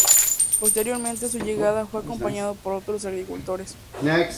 Posteriormente a su llegada fue acompañado por otros agricultores.